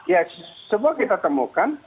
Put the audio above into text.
ya semua kita temukan